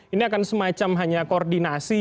ini akan semacam hanya koordinasi